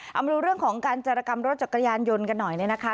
เอามาดูเรื่องของการจรกรรมรถจักรยานยนต์กันหน่อยเนี่ยนะคะ